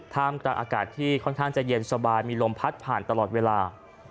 ท่ามกลางอากาศที่ค่อนข้างจะเย็นสบายมีลมพัดผ่านตลอดเวลา